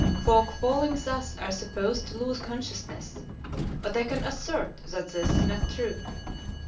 Folk falling thus are supposed to lose consciousness, but I can assert that this is not true.